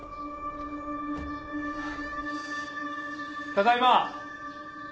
ただいま。